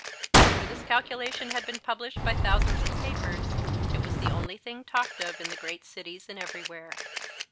After this calculation had been published by thousands of papers, it was the only thing talked of in the great cities and everywhere.